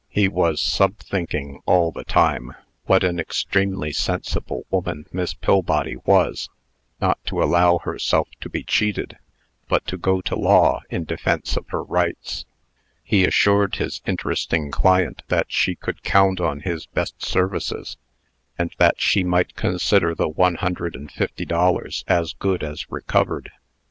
He was sub thinking, all the time, what an extremely sensible woman Miss Pillbody was, not to allow herself to be cheated, but to go to law in defence of her rights. He assured his interesting client that she could count on his best services, and that she might consider the one hundred and fifty dollars as good as recovered.